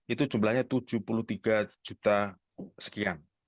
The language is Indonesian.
itu jumlahnya tujuh puluh tiga juta sekian